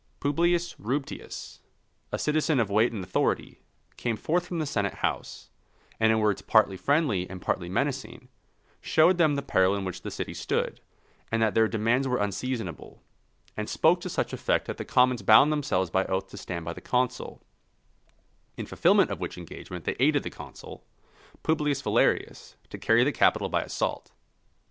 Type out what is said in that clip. Publius Rubetius, a citizen of weight and authority, came forth from the Senate House, and in words partly friendly and partly menacing, showed them the peril in which the city stood, and that their demands were unseasonable; and spoke to such effect that the commons bound themselves by oath to stand by the consul; in fulfilment of which engagement they aided the consul, Publius Valerius, to carry the Capitol by assault.